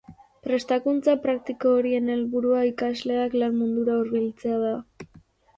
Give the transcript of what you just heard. Prestakuntza praktiko horien helburua ikasleak lan mundura hurbiltzea da.